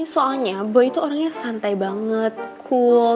soalnya boy itu orangnya santai banget cool